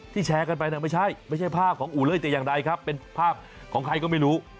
แชร์กันไปไม่ใช่ไม่ใช่ภาพของอู่เลยแต่อย่างใดครับเป็นภาพของใครก็ไม่รู้